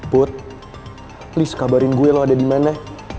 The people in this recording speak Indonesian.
put please kabarin gue lo ada dimana